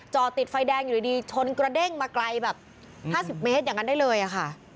จอดติดไฟแดงอยู่ดีชนกระเด้งมาไกลแบบ๕๐เมตรอย่างนั้นได้เลยค่ะ